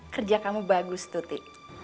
kerja kamu bagus tuti